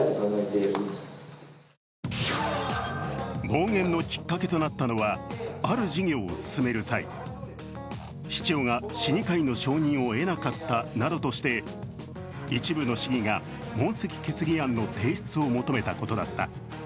暴言のきっかけとなったのはある事業を進める際、市長が市議会の承認を得なかったなどとして、一部の市議が問責決議案の提出を求めたことだった。